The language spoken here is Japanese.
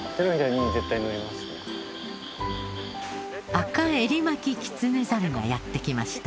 アカエリマキキツネザルがやって来ました。